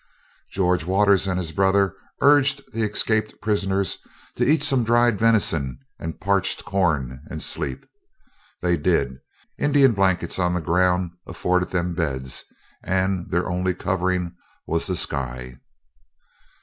George Waters and his brother urged the escaped prisoners to eat some dried venison and parched corn and sleep. They did. Indian blankets on the ground afforded them beds, and their only covering was the sky.